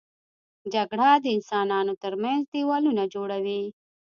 جګړه د انسانانو تر منځ دیوالونه جوړوي